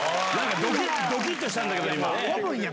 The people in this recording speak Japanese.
ドキっとしたんだけど今。